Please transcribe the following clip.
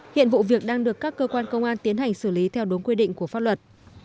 hiện vụ việc đang được các cơ quan công an tiến hành xử lý theo đúng quy định của pháp luật